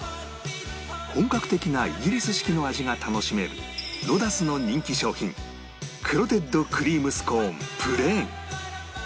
本格的なイギリス式の味が楽しめるロダスの人気商品クロテッドクリームスコーンプレーン